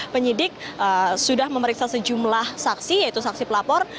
penyidik sudah memeriksa sejumlah saksi yaitu saksi pelapor